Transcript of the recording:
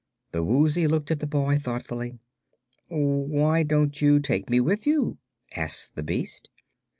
The Woozy looked at the boy thoughtfully. "Why don't you take me with you?" asked the beast.